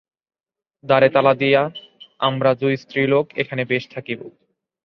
দ্বারে তালা দিয়া আমরা দুই স্ত্রীলোকে এখানে বেশ থাকিব।